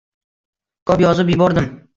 Ko‘p yozib yubordim.